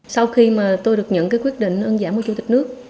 sau khi mà tôi được nhận cái quyết định ơn giảm của chủ tịch nước